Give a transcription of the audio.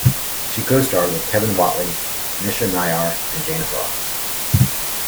She co-starred with Kevin Whately, Nisha Nayar and Jane Horrocks.